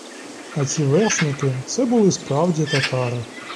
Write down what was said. А ці вершники, це були справді татари.